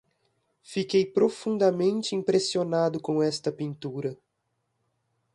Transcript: Fiquei profundamente impressionado com esta pintura.